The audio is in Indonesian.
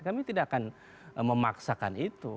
kami tidak akan memaksakan itu